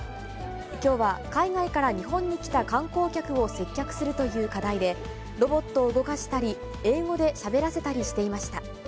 きょうは海外から日本に来た観光客を接客するという課題で、ロボットを動かしたり、英語でしゃべらせたりしていました。